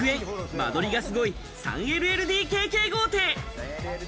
間取りがすごい、３ＬＬＤＫＫ豪邸。